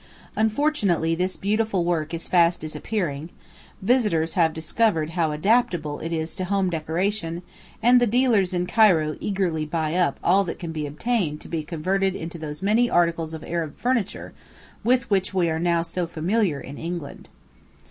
Unfortunately this beautiful work is fast disappearing; visitors have discovered how adaptable it is to home decoration, and the dealers in Cairo eagerly buy up all that can be obtained to be converted into those many articles of Arab furniture with which we are now so familiar in England.